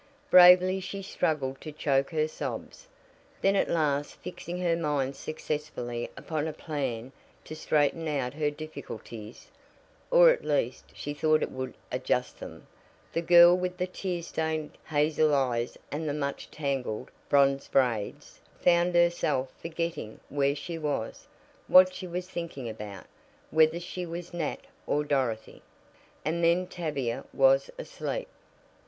Bravely she struggled to choke her sobs; then at last fixing her mind successfully upon a plan to straighten out her difficulties (or, at least, she thought it would adjust them), the girl with the tear stained, hazel eyes and the much tangled, bronze braids, found herself forgetting where she was, what she was thinking about, whether she was Nat or Dorothy. And then Tavia was asleep.